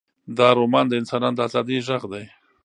دا رومان د انسانانو د ازادۍ غږ دی.